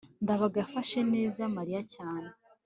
ndabaga yafashe neza mariya cyane